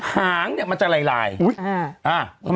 หางมันจะไหลไหล